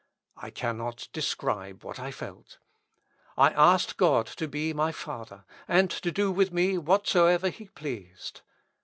I cannot describe what I felt. I asked God to be my Father, and to do with me whatsoever he pleased.